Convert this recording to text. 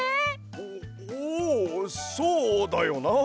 おおうそうだよな。